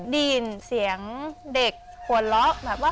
ได้ยินเสียงเด็กหัวเราะแบบว่า